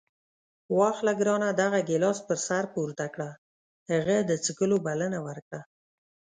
واخله ګرانه دغه ګیلاس پر سر پورته کړه. هغه د څښلو بلنه ورکړه.